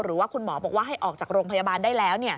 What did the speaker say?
หรือว่าคุณหมอบอกว่าให้ออกจากโรงพยาบาลได้แล้ว